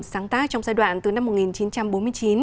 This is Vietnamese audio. sáng tác trong giai đoạn từ năm một nghìn chín trăm bốn mươi chín